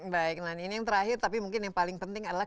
baik nah ini yang terakhir tapi mungkin yang paling penting adalah